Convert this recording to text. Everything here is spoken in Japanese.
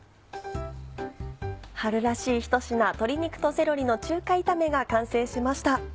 春らしい一品鶏肉とセロリの中華炒めが完成しました。